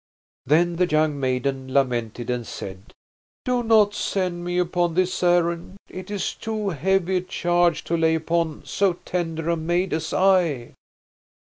Then the young maiden lamented and said: "Do not send me upon this errand! It is too heavy a charge to lay upon so tender a maid as I."